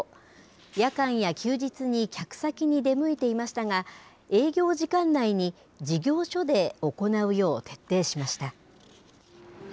夜間や休日に客先に出向いていましたが、営業時間内に事業所で行うよう徹底しました。